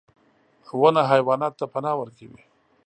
• ونه حیواناتو ته پناه ورکوي.